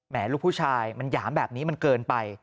ลูกผู้ชายมันหยามแบบนี้มันเกินไป